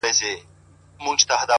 راته يادېږې شپه كړم څنگه تېره،